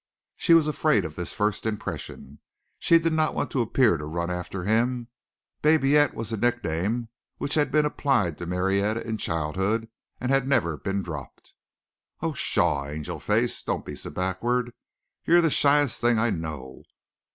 She was afraid of this first impression. She did not want to appear to run after him. Babyette was a nickname which had been applied to Marietta in childhood and had never been dropped. "Oh, pshaw, Angel Face, don't be so backward! You're the shyest thing I know.